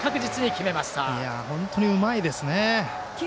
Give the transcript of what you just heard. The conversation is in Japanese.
本当にうまいですね。